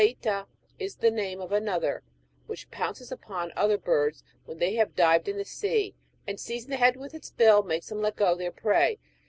Platea"^^ is the name of another, which pounces upon other birds when they have dived in the sea, and, seizing the head with its bill, makes them let go their prey.